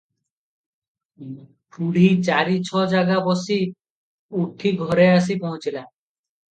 ବୁଢ଼ୀ ଚାରି ଛ ଜାଗା ବସି ଉଠି ଘରେ ଆସି ପହଞ୍ଚିଲା ।